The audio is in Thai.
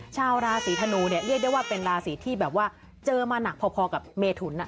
ชาวราศีธนูเนี่ยเรียกได้ว่าเป็นราศีที่แบบว่าเจอมาหนักพอกับเมถุน